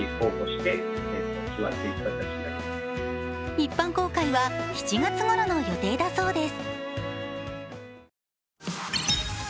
一般公開は７月ごろの予定だそうです。